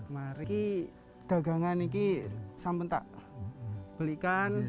mari dagangan ini kita belikan